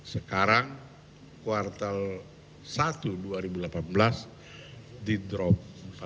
sekarang kuartal satu dua ribu delapan belas di drop empat puluh